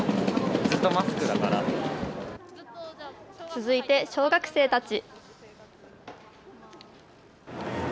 続いて小学生たち。